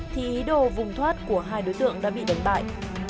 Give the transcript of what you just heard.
thì ý đồ vùng thoát của hai đối tượng đã bị đánh bại